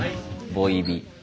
ボイビ。